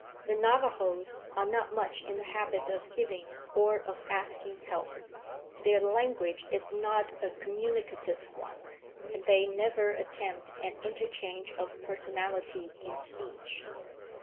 The Navajos are not much in the habit of giving or of asking help. Their language is not a communicative one, and they never attempt an interchange of personality in speech.